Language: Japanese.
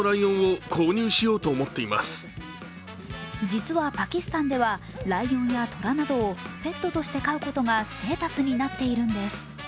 実はパキスタンではライオンやトラなどをペットとして飼うことがステータスになっているんです。